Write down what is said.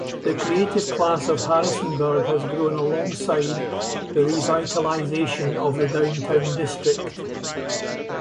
The creative class of Harrisonburg has grown alongside the revitalization of the downtown district.